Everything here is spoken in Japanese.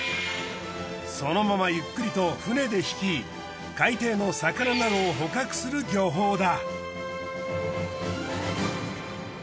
そのままゆっくりと船で引き海底の魚などを捕獲する漁法だ。